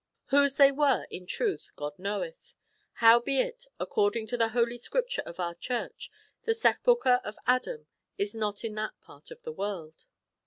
^ Whose they were in truth, God knoweth ! Howbeit, according to the Holy Scripture of our Church, the sepulchre of Adam is not in that part of the world.